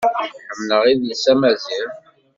Ḥemmleɣ idles amaziɣ.